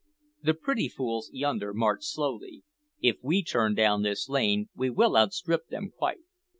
The pretty fools yonder march slowly; if we turn down this lane, we will outstrip them quite."